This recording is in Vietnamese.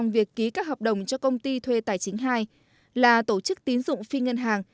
việc ký các hợp đồng cho công ty thuê tài chính hai là tổ chức tín dụng phi ngân hàng